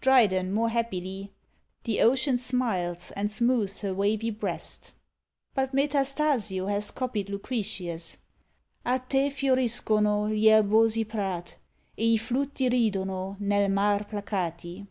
Dryden more happily, The ocean SMILES, and smooths her wavy breast. But Metastasio has copied Lucretius: A te fioriscono Gli erbosi prat: E i flutti RIDONO Nel mar placati.